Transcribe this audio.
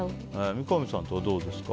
三上さんとか、どうですか？